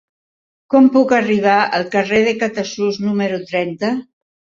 Com puc arribar al carrer de Catasús número trenta?